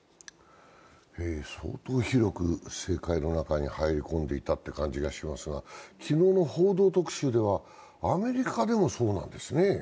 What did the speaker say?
相当広く、政界の中に入り込んでいたという感じがしますが、昨日の「報道特集」では出ていましたがアメリカでもそうなんですね。